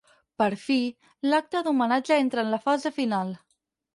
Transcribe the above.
Per fi, l'acte d'homenatge entra en la fase final.